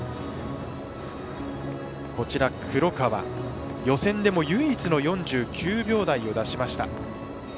黒川、予選でも唯一の４９秒台を出しました。